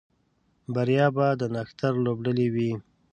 بریا به د نښتر لوبډلې وي